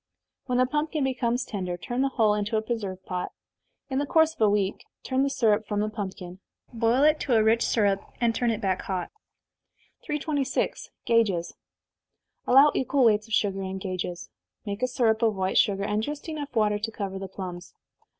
When the pumpkin becomes tender, turn the whole into a preserve pot. In the course of a week, turn the syrup from the pumpkin, boil it to a rich syrup, and turn it back hot. 326. Gages. Allow equal weights of sugar and gages. Make a syrup of white sugar, and just water enough to cover the plums.